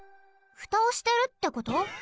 フタをしてるってこと？